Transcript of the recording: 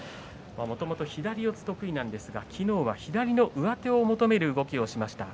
もともと左四つ得意ですが昨日は左の上手を求める動きをしました。